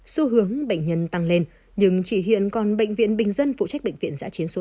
xu hướng bệnh nhân tăng lên nhưng chỉ hiện còn bệnh viện bình dân phụ trách bệnh viện giã chiến số năm